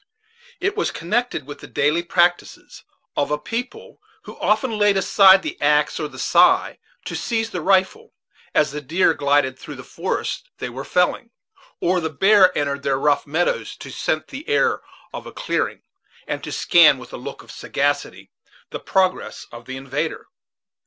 It was connected with the daily practices of a people who often laid aside the axe or the scythe to seize the rifle, as the deer glided through the forests they were felling, or the bear entered their rough meadows to scent the air of a clearing, and to scan, with a look of sagacity, the progress of the invader.